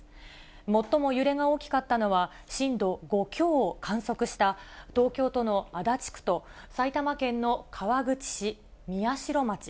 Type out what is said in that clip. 最も揺れが大きかったのは、震度５強を観測した東京都の足立区と埼玉県の川口市、宮代町。